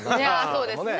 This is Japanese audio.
そうですね。